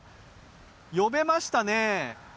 呼べましたね。